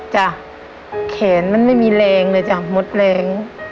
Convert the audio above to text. แขนมันไม่มีแรงเลยจ้ะหมดแรง